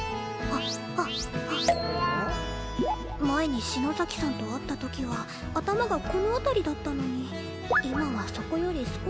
前に篠崎さんと会った時は頭がこの辺りだったのに今はそこより少し上